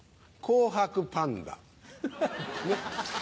紅白パンダ。